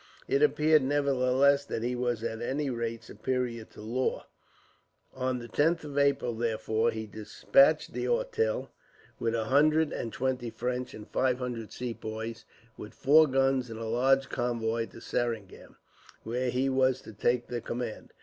It appeared, nevertheless, that he was at any rate superior to Law. On the 10th of April, therefore, he despatched D'Auteuil, with a hundred and twenty French, and five hundred Sepoys, with four guns and a large convoy, to Seringam, where he was to take the command.